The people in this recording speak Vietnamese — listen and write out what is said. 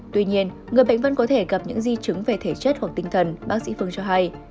tuy nhiên người bệnh vẫn có thể gặp những di chứng về thể chất hoặc tinh thần bác sĩ phương cho hay